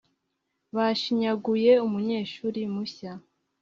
bashinyaguye umunyeshuri mushya